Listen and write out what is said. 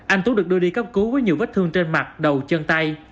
anh tú được đưa đi cấp cứu với nhiều vết thương trên mặt đầu chân tay